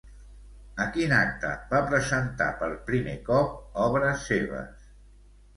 A quin acte va presentar per primer cop obres seves?